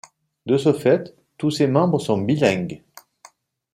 De ce fait, tous ses membres sont bilingues.